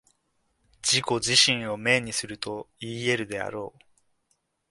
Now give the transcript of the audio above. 自己自身を明にするといい得るであろう。